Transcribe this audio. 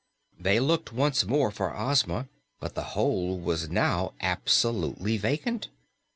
They looked once more for Ozma, but the hole was now absolutely vacant.